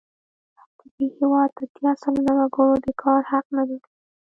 د دې هېواد اتیا سلنه وګړو د کار حق نه درلود.